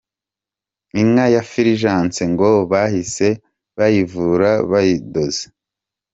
Inka ya Fulgence ngo bahise bayivura bayidoze.